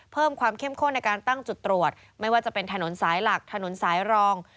เพิ่มความเข้มข้นในการตั้งจุดตรวจไม่ว่าจะเป็นถนนสายหลักถนนสายรอง